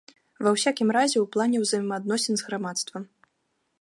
Ва ўсякім разе, у плане ўзаемаадносін з грамадствам.